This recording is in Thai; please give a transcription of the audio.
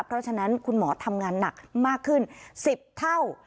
เพราะฉะนั้นคุณหมอทำงานหนักมากขึ้น๑๐เท่า